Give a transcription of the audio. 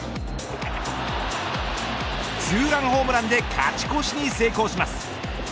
ツーランホームランで勝ち越しに成功します。